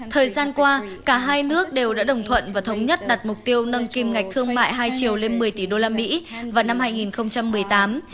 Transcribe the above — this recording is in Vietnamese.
thời gian qua cả hai nước đều đã đồng thuận và thống nhất đặt mục tiêu nâng kim ngạch thương mại hai triệu lên một mươi tỷ usd vào năm hai nghìn một mươi tám